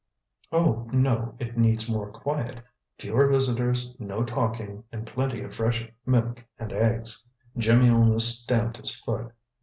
"Oh, no, it needs more quiet. Fewer visitors, no talking, and plenty of fresh milk and eggs." Jimmy almost stamped his foot.